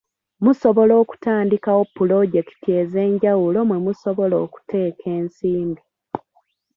Musobola okutandikawo Pulojekiti ez'enjawulo mwe musobola okuteeka ensimbi.